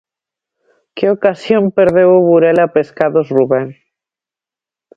Que ocasión perdeu o Burela Pescados Rubén.